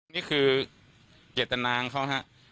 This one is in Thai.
นี่คือเจตนาของเขาฮะ